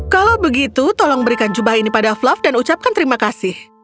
kalau begitu tolong berikan jubah ini pada fluff dan ucapkan terima kasih